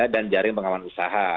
dan jaring pengaman usaha